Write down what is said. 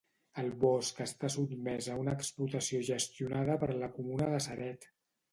El bosc està sotmès a una explotació gestionada per la comuna de Ceret.